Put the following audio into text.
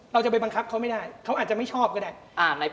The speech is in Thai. เราจะไปบังคับเขาไม่ได้เขาอาจจะไม่ชอบก็ได้